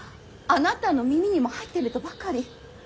あなたの耳にも入ってるとばかり。